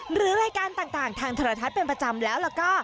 หรือรายการต่างทางโทรทัศน์เป็นประจำแล้วก็